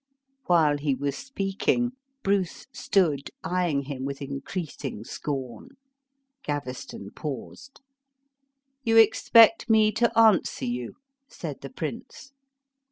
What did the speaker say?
While he was speaking, Bruce stood eying him with increasing scorn. Gaveston paused. "You expect me to answer you!" said the prince.